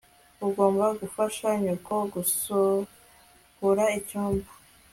ugomba gufasha nyoko gusukura icyumba